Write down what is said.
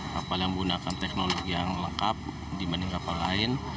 kapal yang menggunakan teknologi yang lengkap dibanding kapal lain